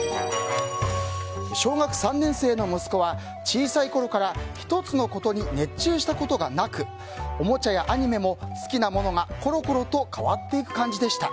小学３年生の息子は小さいころから１つのことに熱中したことがなくおもちゃやアニメも好きなものがコロコロと変わっていく感じでした。